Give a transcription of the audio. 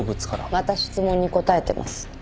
また質問に答えてます。